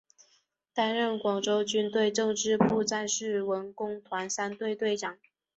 担任广州军区政治部战士文工团三队队长。